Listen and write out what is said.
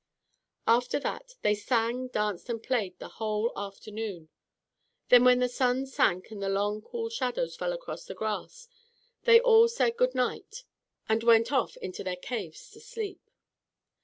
After that they sang, danced and played the whole afternoon. Then when the sun sank and the long, cool shadows fell across the grass they all said "good night" and went off into their caves to sleep.